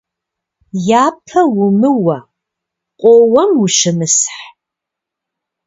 Япэ умыуэ, къоуэм ущымысхь.